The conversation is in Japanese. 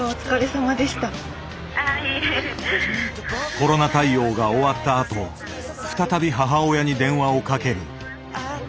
コロナ対応が終わったあと再び母親に電話をかける。